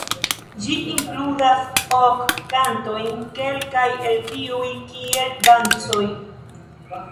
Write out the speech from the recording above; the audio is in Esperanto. Ĝi inkludas ok kantojn, kelkaj el kiuj kiel dancoj.